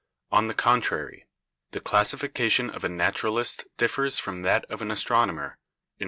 On the contrary, the classification of a naturalist differs from that of an astronomer, in.